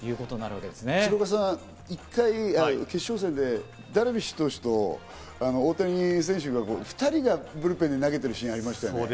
鶴岡さん、決勝戦でダルビッシュ投手と大谷選手が２人がブルペンで投げてるシーンありましたね。